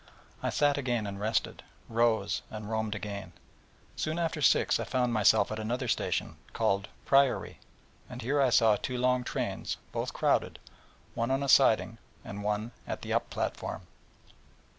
I sat again, and rested, rose and roamed again; soon after six I found myself at another station, called 'Priory'; and here I saw two long trains, both crowded, one on a siding, and one at the up platform.